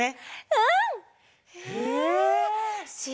うん。